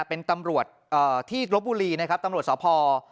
เป็นตำรวจที่รถบุรีนะครับตำรวจสอบภอร์